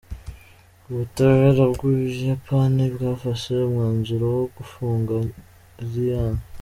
Ubutabera bwUbuyapani bwafashe umwanzuro wo gufunga Iryn.